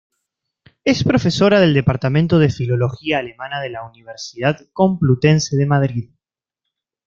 Es profesora del Departamento de Filología Alemana de la Universidad Complutense de Madrid.